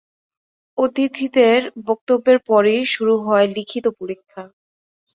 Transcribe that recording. অতিথিদের বক্তব্যের পরই শুরু হয় লিখিত পরীক্ষা।